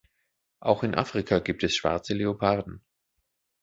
Auch in Afrika gibt es schwarze Leoparden.